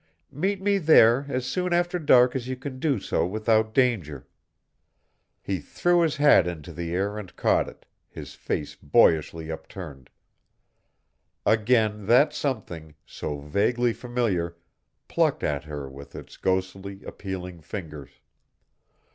"Meet me there as soon after dark as you can do so without danger." He threw his hat into the air and caught it, his face boyishly upturned. Again that something, so vaguely familiar, plucked at her with its ghostly, appealing fingers.